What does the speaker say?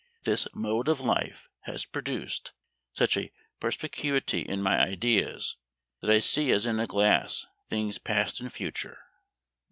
"This mode of life has produced such a perspicuity in my ideas, that I see as in a glass things past and future."